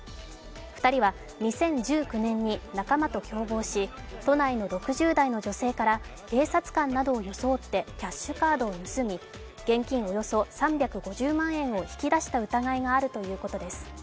２人は２０１９年に仲間と共謀し、都内の６０代の女性から警察官などを装ってキャッシュカードを盗み現金およそ３５０万円を引き出した疑いがあるということです。